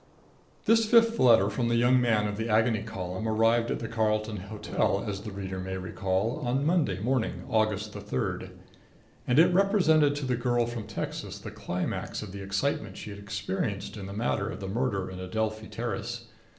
This fifth letter from the young man of the Agony Column arrived at the Carlton Hotel, as the reader may recall, on Monday morning, August the third. And it represented to the girl from Texas the climax of the excitement she had experienced in the matter of the murder in Adelphi Terrace.